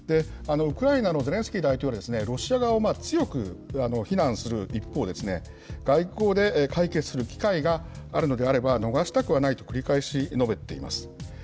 ウクライナのゼレンスキー大統領は、ロシア側を強く非難する一方、外交で解決する機会があるのであれば逃したくはないと繰り返し述べています。